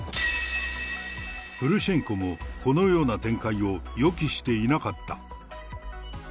プルシェンコもこのような展開を予期していなかった。